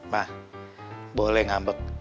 ma boleh ngambek